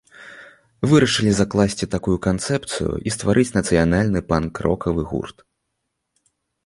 Вырашылі закласці такую канцэпцыю і стварыць нацыянальны панк-рокавы гурт.